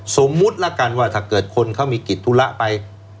สมมุติละกันว่าถ้าเกิดคนเขามีกิจธุระไป